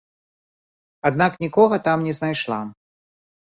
Аднак нікога там не знайшла.